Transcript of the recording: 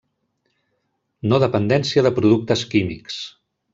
No dependència de productes químics.